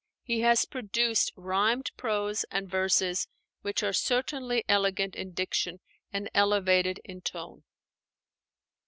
He has produced rhymed prose and verses which are certainly elegant in diction and elevated in tone.